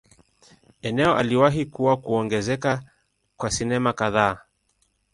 Eneo aliwahi kuwa kuongezeka kwa sinema kadhaa.